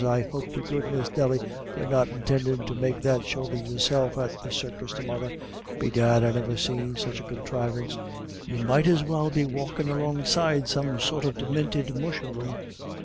I hope to goodness, Nelly, you're not intindin' to make that show of yourself at the circus to morra. Bedad, I niver seen such a conthrivance; you might as well be walkin' alongside some sort of deminted musharoon."